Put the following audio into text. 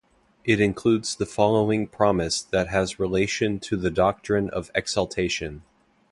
It includes the following promise that has relation to the doctrine of exaltation.